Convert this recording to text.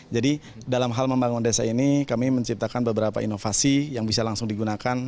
jadi dalam hal membangun desa ini kami menciptakan beberapa inovasi yang bisa langsung digunakan